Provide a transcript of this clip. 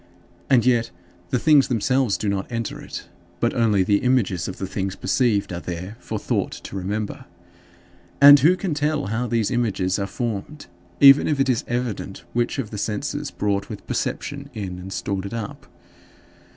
And yet the things themselves do not enter it, but only the images of the things perceived are there for thought to remember. And who can tell how these images are formed, even if it is evident which of the senses brought which perception in and stored it up?